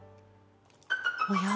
おや？